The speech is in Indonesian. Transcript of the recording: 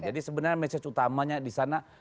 jadi sebenarnya message utamanya disana